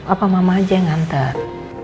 apa mama aja yang ngantar